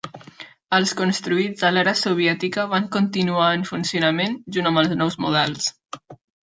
Els construïts a l'era soviètica van continuar en funcionament junt amb els nous models.